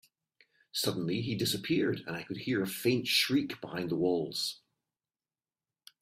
Suddenly, he disappeared, and I could hear a faint shriek behind the walls.